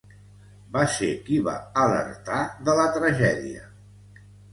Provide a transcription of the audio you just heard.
Va ser qui va alertar de la tragèdia.